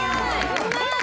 うまい！